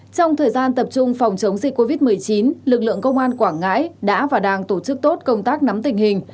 trong thời gian tập trung phòng chống dịch covid một mươi chín lực lượng công an quảng ngãi đã và đang tổ chức tốt công tác nắm tình hình